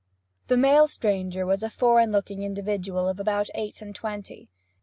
The male stranger was a foreign looking individual of about eight and twenty.